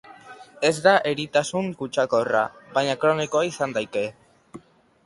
Ez da eritasun kutsakorra baina kronikoa izan daiteke.